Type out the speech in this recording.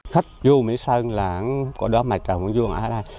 khách vô mỹ sơn là có đón mạch có vô ngã đây